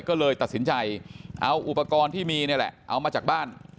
ก็เลยตัดสินใจเอาอุปกรณ์ที่มีนี่แหละเอามาจากบ้าน